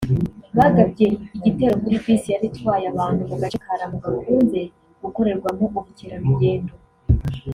bagabye igitero kuri bisi yari itwaye abantu mu gace ka Lamu gakunze gukorerwamo ubukerarugendo